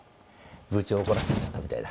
部長を怒らせちゃったみたいだ。